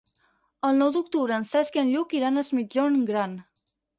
El nou d'octubre en Cesc i en Lluc iran a Es Migjorn Gran.